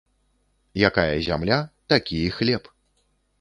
Якая зямля ‒ такі і хлеб